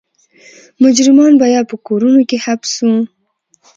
مجرمان به یا په کورونو کې حبس وو.